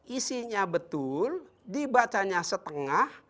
isinya betul dibacanya setengah